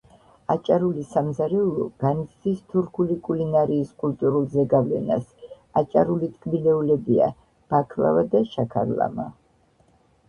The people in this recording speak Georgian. აჭარული სამზარეულო განიცდის თურქული კულინარიის კულტურულ ზეგავლენას. აჭარული ტკბილეულებია: ბაქლავა და შაქარლამა.